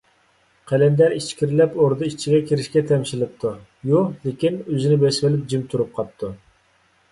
قەلەندەر ئىچكىرىلەپ ئوردا ئىچىگە كىرىشكە تەمشىلىپتۇ - يۇ، لېكىن ئۆزىنى بېسىۋېلىپ جىم تۇرۇپ قاپتۇ.